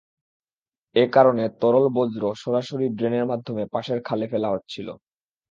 এ কারণে তরল বর্জ্য সরাসরি ড্রেনের মাধ্যমে পাশের খালে ফেলা হচ্ছিল।